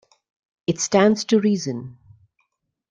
It stands to reason.